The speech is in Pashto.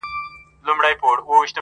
• وخت یاري ور سره وکړه لوی مالدار سو,